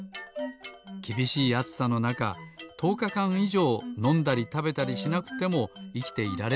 きびしいあつさのなかとおかかんいじょうのんだりたべたりしなくてもいきていられるんですって。